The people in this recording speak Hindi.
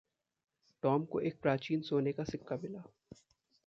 टॉम को एक प्राचीन सोने का सिक्का मिला।